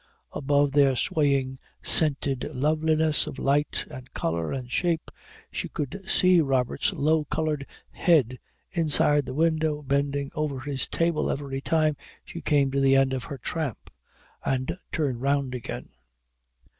Above their swaying scented loveliness of light and colour and shape she could see Robert's low coloured head inside the window bending over his table every time she came to the end of her tramp and turned round again.